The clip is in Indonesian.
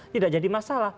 tidak jadi masalah